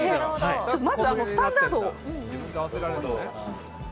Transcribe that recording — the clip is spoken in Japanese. まずスタンダードを。